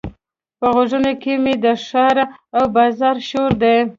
په غوږونو کې مې د ښار او بازار شور دی.